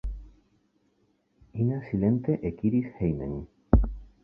Ina silente ekiris hejmen.